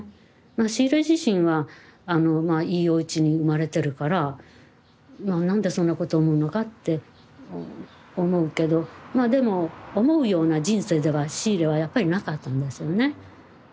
シーレ自身はまあいいおうちに生まれてるから何でそんなことを思うのかって思うけどまあでも思うような人生ではシーレはやっぱりなかったんですよね。